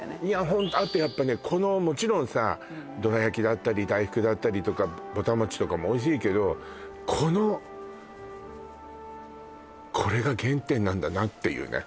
ホントあとやっぱねこのもちろんさどらやきだったり大福だったりとかぼた餅とかもおいしいけどこのこれが原点なんだなっていうね